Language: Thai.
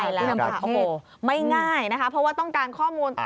แล้วไม่ง่ายนะคะเพราะว่าต้องการข้อมูล